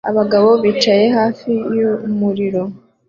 Abagabo bicaye hafi y'umuriro